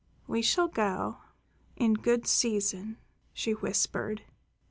"We shall go, in good season," she whispered.